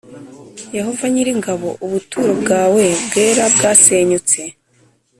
Yehova nyir ingabo ubuturo bwawe bwera bwasenyutse